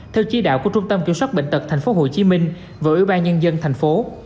theo chỉ đạo của trung tâm kiểm soát bệnh tật tp hcm và ủy ban nhân dân thành phố